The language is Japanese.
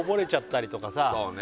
そうね